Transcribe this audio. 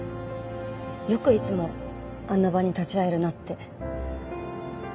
よくいつもあんな場に立ち会えるなって。